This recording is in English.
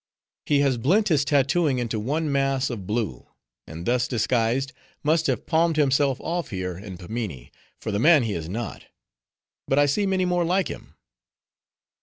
He has blent his tattooing into one mass of blue, and thus disguised, must have palmed himself off here in Pimminee, for the man he is not. But I see many more like him."